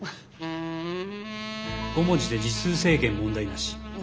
５文字で字数制限問題なし。